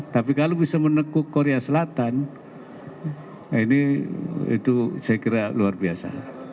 tapi kalau bisa menekuk korea selatan itu saya kira luar biasa